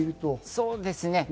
そうですね。